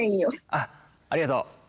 あっありがとう。